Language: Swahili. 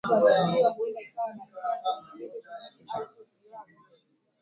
Aidha Msanii kutoka Kasulu Mzee Francis Nyakamwe